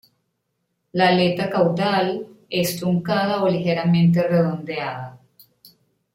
La aleta caudal es truncada o ligeramente redondeada.